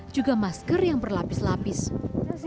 juga masker yang berlapis lapis